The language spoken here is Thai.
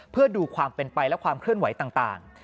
เพื่อดูความเป็นไปและความเคลื่อนไหวต่าง